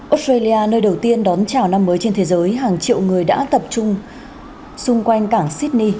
australia nơi đầu tiên đón chào năm mới trên thế giới hàng triệu người đã tập trung xung quanh cảng sydney